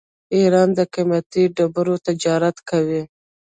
ایران د قیمتي ډبرو تجارت کوي.